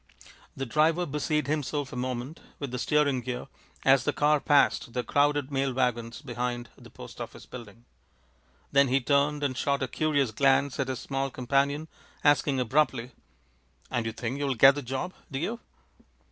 The driver busied himself a moment with the steering gear as the car passed the crowded mail wagons behind the post office building. Then he turned and shot a curious glance at his small companion, asking abruptly: "And you think you'll get the job, do you?"